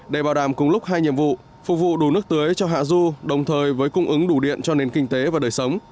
để bảo đảm cùng lúc hai nhiệm vụ phục vụ đủ nước tưới cho hạ du đồng thời với cung ứng đủ điện cho nền kinh tế và đời sống